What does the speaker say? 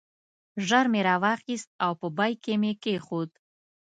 ژر مې را واخیست او په بیک کې مې کېښود.